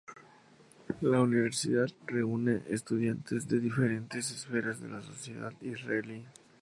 La Universidad reúne estudiantes de diferentes esferas de la sociedad israelí.